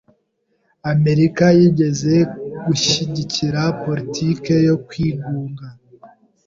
Amerika yigeze gushyigikira politiki yo kwigunga.